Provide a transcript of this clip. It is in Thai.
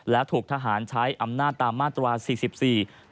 และถูกทหารใช้อำนาจตามมาตรวจ๔๔